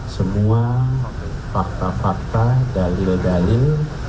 semua fakta fakta dalil dalil